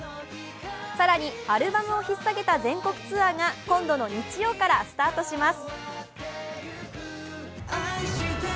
更に、アルバムをひっさげた全国ツアーが今度の日曜からスタートします。